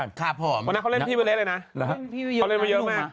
วันนั้นเขาเล่นพี่วิเลสเลยนะเขาเล่นมาเยอะมาก